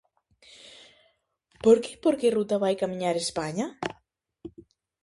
Porque por que ruta vai camiñar España?